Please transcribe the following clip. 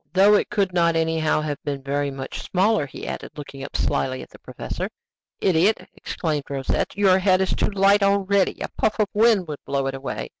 "Though it could not anyhow have been very much smaller," he added, looking slyly at the professor. "Idiot!" exclaimed Rosette. "Your head is too light already; a puff of wind would blow it away."